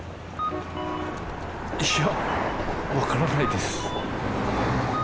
いや分からないです。